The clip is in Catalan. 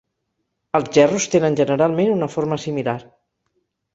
Els gerros tenen generalment una forma similar.